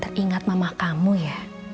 teringat mama kamu ya